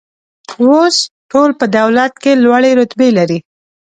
اوس ټول په دولت کې لوړې رتبې لري.